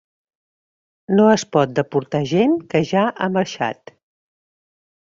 No es pot deportar gent que ja ha marxat.